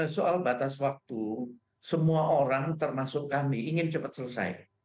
soal batas waktu semua orang termasuk kami ingin cepat selesai